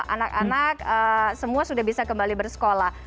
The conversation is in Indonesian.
anak anak semua sudah bisa kembali bersekolah